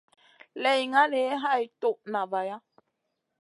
Lay ngali hay toud na vaya.